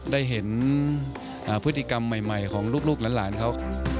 ได้เห็นพฤติกรรมใหม่ของลูกหลานเขา